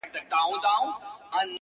• ما، پنځه اویا کلن بوډا -